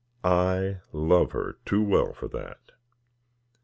I love her too well for that.